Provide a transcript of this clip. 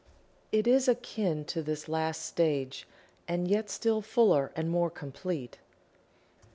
It is akin to this last stage, and yet still fuller and more complete.